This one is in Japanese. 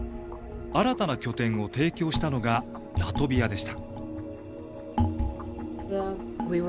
新たな拠点を提供したのがラトビアでした。